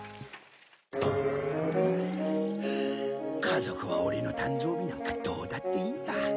家族はオレの誕生日なんかどうだっていいんだ。